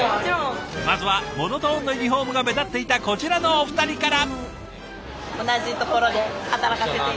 まずはモノトーンのユニフォームが目立っていたこちらのお二人から。